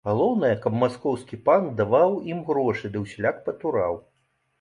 Галоўнае, каб маскоўскі пан даваў ім грошы ды ўсяляк патураў.